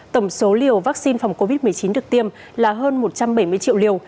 tổng số liều vaccine phòng covid một mươi chín được tiêm là hơn một trăm bảy mươi triệu liều